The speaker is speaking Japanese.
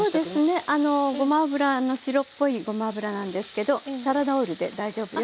ごま油白っぽいごま油なんですけどサラダオイルで大丈夫よ。